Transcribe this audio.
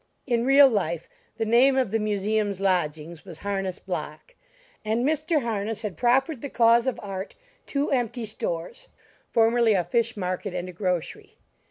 In real life the name of the Museum's lodgings was Harness Block, and Mr. Harness had proffered the cause of art two empty stores, formerly a fish market and a grocery.